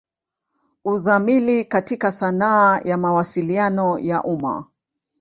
Uzamili katika sanaa ya Mawasiliano ya umma.